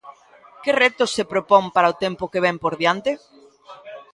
Que retos se propón para o tempo que vén por diante?